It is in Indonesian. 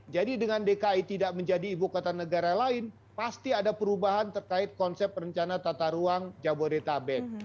jadi dengan dki tidak menjadi ibu kota negara lain pasti ada perubahan terkait konsep rencana tata ruang jabodetabek